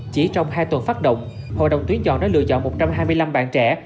chỉ trong hai tuần phát động hội đồng tuyến chọn đã lựa chọn một trăm hai mươi năm bạn trẻ